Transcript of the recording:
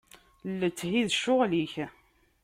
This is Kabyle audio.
Letthi d ccɣel-ik.